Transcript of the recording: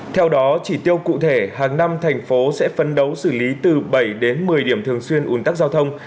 theo đó chỉ tiêu cụ thể hàng năm thành phố sẽ phấn đấu xử lý từ bảy đến một mươi điểm thường xuyên un tắc giao thông